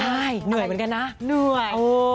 ใช่เหนื่อยเหมือนกันนะเหนื่อย